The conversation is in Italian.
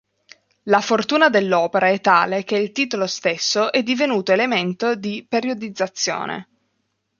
La fortuna dell'opera è tale che il titolo stesso è divenuto elemento di periodizzazione.